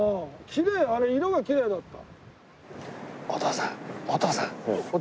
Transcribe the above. きれいあれ色がきれいだった。